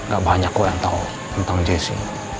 gak banyak kok yang tahu tentang jessi